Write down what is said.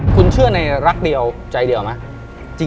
คุณเชื่อในรักเดียวใจเดียวไหม